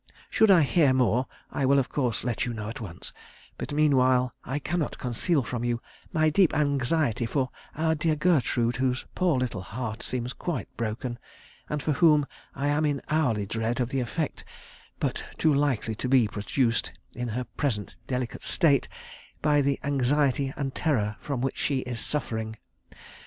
Should I hear more, I will of course let you know at once; but meanwhile I cannot conceal from you my deep anxiety for our dear Gertrude, whose poor little heart seems quite broken, and for whom I am in hourly dread of the effect but too likely to be produced, in her present delicate state, by the anxiety and terror from which she is suffering....